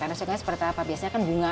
resikonya seperti apa biasanya bunga